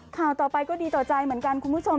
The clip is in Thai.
ข่าวต่อไปก็ดีต่อใจเหมือนกันคุณผู้ชม